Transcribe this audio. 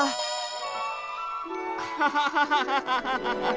ハハハハハ。